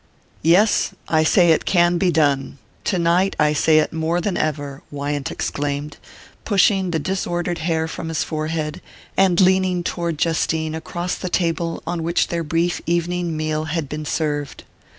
"Yes I say it can be done: tonight I say it more than ever," Wyant exclaimed, pushing the disordered hair from his forehead, and leaning toward Justine across the table on which their brief evening meal had been served.